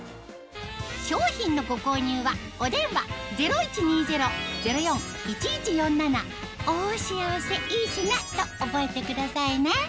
商品のご購入はお電話０１２０−０４−１１４７と覚えてくださいね